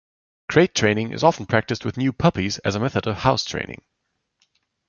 Crate training is often practiced with new puppies as a method of house-training.